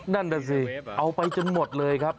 นั่นน่ะสิเอาไปจนหมดเลยครับ